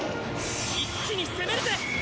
一気に攻めるぜ！